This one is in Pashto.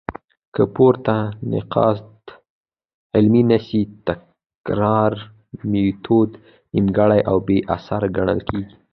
که پورته نقاط عملي نه سي؛ تکراري ميتود نيمګړي او بي اثره ګڼل کيږي.